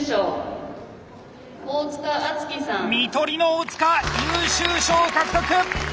看取りの大塚優秀賞獲得！